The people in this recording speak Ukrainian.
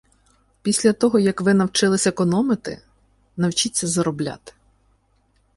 Після того, як ви навчились економити, навчіться заробляти.